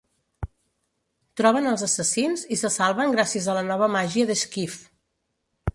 Troben els assassins i se salven gràcies a la nova màgia de Skeeve.